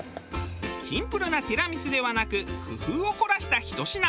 シンプルなティラミスではなく工夫を凝らしたひと品。